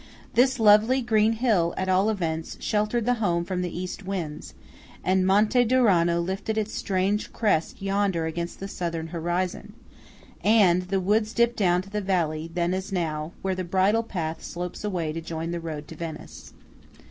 This lovely green hill, at all events, sheltered the home from the east winds; and Monte Duranno lifted its strange crest yonder against the southern horizon; and, the woods dipped down to the valley, then as now, where the bridle path slopes away to join the road to Venice.